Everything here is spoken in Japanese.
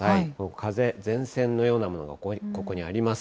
風、前線のようなものがここにあります。